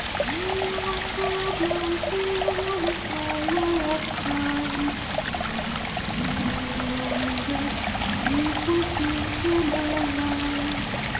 We are travelers here on the highway of time, But he will go with us if we seek him aright.